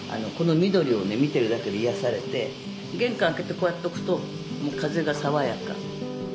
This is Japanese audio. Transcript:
見てるだけで癒やされて玄関開けてこうやっておくと風が爽やか。